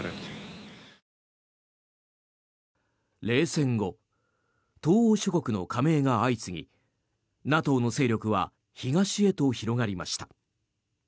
冷戦後東欧諸国の加盟が相次ぎＮＡＴＯの勢力は東へと広がりました。